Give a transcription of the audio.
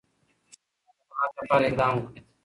ښځه باید د خپل حق لپاره اقدام وکړي.